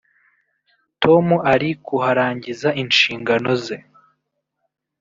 Tom ari kuharangiza inshingano ze